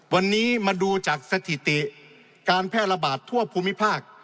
วันนี้มาดูจากสถิติการแพร่ระบาดทั่วภูมิภาค